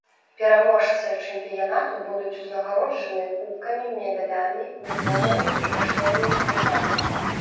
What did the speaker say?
Пераможцы чэмпіянату будуць узнагароджаныя кубкамі, медалямі, дыпломамі і каштоўнымі прызамі.